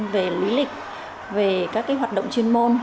về lý lịch về các hoạt động chuyên môn